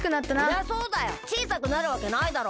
そりゃそうだよちいさくなるわけないだろ。